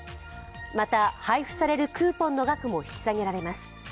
また配布されるクーポンの額も引き下げられます。